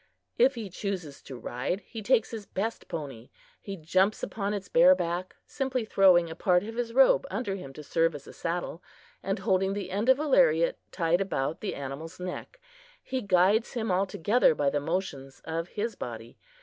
If he chooses to ride, he takes his best pony. He jumps upon its bare back, simply throwing a part of his robe under him to serve as a saddle, and holding the end of a lariat tied about the animal's neck. He guides him altogether by the motions of his body.